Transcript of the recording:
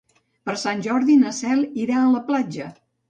Per Sant Jordi na Cel irà a la platja.